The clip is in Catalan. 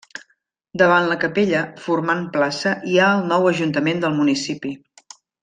Davant la capella, formant plaça, hi ha el nou ajuntament del municipi.